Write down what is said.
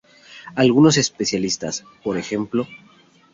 Algunos especialistas, p.ej.